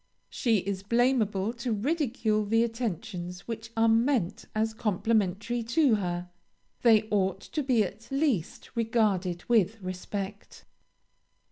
She is blameable to ridicule the attentions which are meant as complimentary to her. They ought to be at least regarded with respect.